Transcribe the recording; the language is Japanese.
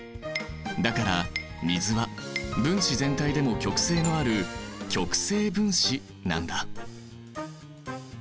だから水は分子全体でも極性のある極性分子なんだ。